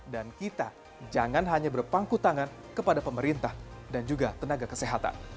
dan kita jangan hanya berpangku tangan kepada pemerintah dan juga tenaga kesehatan